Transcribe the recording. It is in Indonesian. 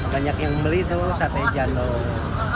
banyak yang beli tuh sate jandung